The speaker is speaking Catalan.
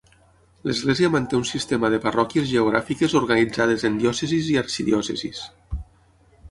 L'Església manté un sistema de parròquies geogràfiques organitzades en diòcesis i arxidiòcesis.